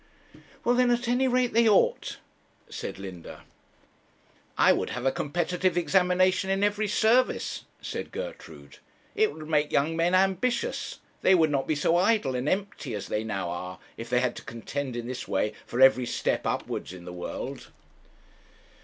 'Well, then, at any rate they ought,' said Linda. 'I would have a competitive examination in every service,' said Gertrude. 'It would make young men ambitious. They would not be so idle and empty as they now are, if they had to contend in this way for every step upwards in the world.'